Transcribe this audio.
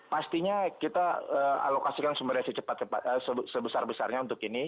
pastinya kita alokasikan sumber daya sebesar besarnya untuk ini